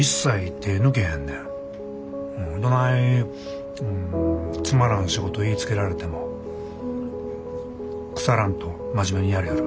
どないつまらん仕事言いつけられてもくさらんと真面目にやりよる。